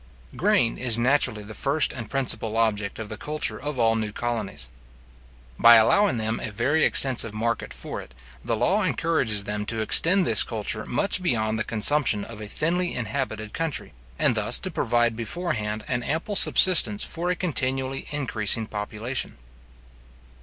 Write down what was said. Grain is naturally the first and principal object of the culture of all new colonies. By allowing them a very extensive market for it, the law encourages them to extend this culture much beyond the consumption of a thinly inhabited country, and thus to provide beforehand an ample subsistence for a continually increasing population.